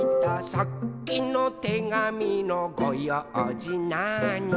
「さっきのてがみのごようじなーに」